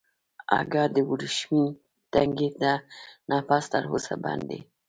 اگه د ورېښمين تنګي نه پس تر اوسه بند دی.